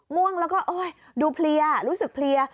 ม่วงแล้วก็ดูเพลียรู้สึกเพลีย